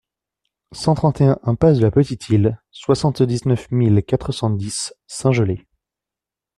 cent trente et un impasse de la Petite Isle, soixante-dix-neuf mille quatre cent dix Saint-Gelais